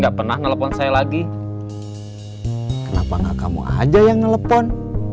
kenapa gak kamu aja yang ngelepon